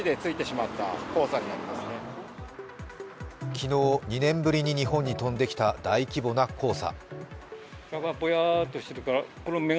昨日、２年ぶりに日本に飛んできた大規模な黄砂。